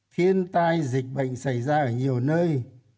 thiên tai dịch bệnh xảy ra ở nhiều nơi